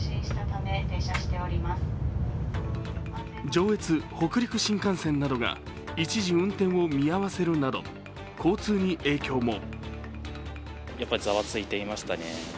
上陸・北陸新幹線などが一時運転を見合わせるなど交通に影響も。